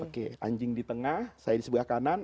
oke anjing di tengah saya di sebelah kanan